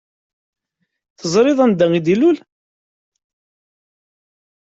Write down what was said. Teẓṛiḍ anda i d-ilul?